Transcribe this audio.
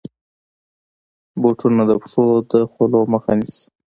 بوټونه د پښو د خولو مخه نیسي.